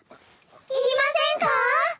いりませんか？